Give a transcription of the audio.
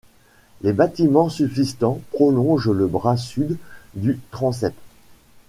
Les bâtiments subsistant prolongent le bras sud du transept.